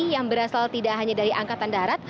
yang berasal tidak hanya dari angkatan darat